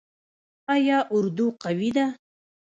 آیا اردو قوي ده؟